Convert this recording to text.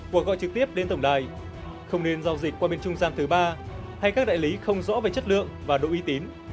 cuộc gọi trực tiếp đến tổng đài không nên giao dịch qua bên trung gian thứ ba hay các đại lý không rõ về chất lượng và độ y tín